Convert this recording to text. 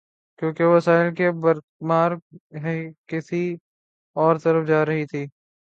کیونکہ وسائل کی بھرمار ہی کسی اور طرف جا رہی تھی۔